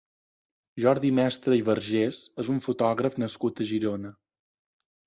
Jordi Mestre i Vergés és un fotògraf nascut a Girona.